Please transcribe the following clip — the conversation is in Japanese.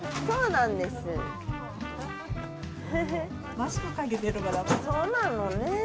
そうなのね。